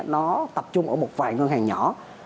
nó tập trung ở một vài ngân hàng nhỏ